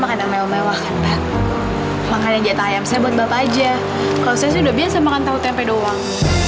kalau saya sih udah biasa makan tahu tempe doang